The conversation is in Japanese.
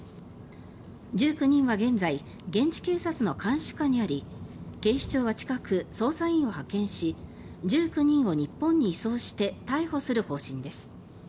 １９人は現在現地警察の監視下にあり警視庁は、近く捜査員を派遣し１９人を日本に移送して逮捕する方針です。